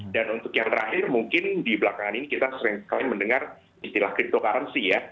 dan untuk yang terakhir mungkin di belakangan ini kita sering sekali mendengar istilah cryptocurrency ya